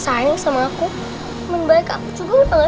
akhirnya aku ketemu sama kamu aura